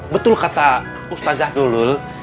betul kata ustazah nulul